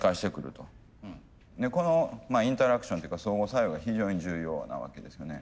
このインタラクションっていうか相互作用が非常に重要なわけですよね。